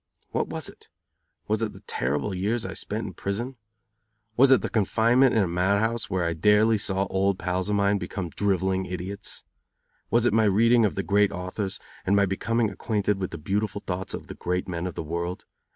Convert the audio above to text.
What was it? Was it the terrible years I spent in prison? Was it the confinement in a mad house, where I daily saw old pals of mine become drivelling idiots? Was it my reading of the great authors, and my becoming acquainted with the beautiful thoughts of the great men of the world?